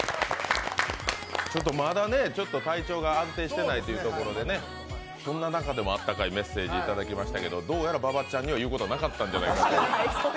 ちょっとまだ体調が安定していないというところでそんな中でも温かいメッセージいただきましたけど、どうやら馬場ちゃんには言うことがなかったんじゃないかと。